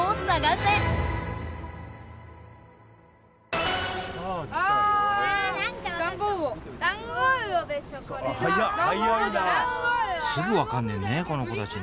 すぐ分かんねんねこの子たちね